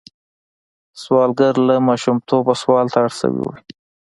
سوالګر له ماشومتوبه سوال ته اړ شوی وي